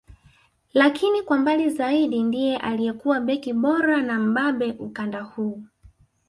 Lakini kwa mbali zaidi ndiye aliyekuwa beki bora na mbabe ukanda huu